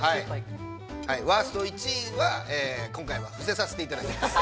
◆ワースト１位は、今回は伏せさせていただきます。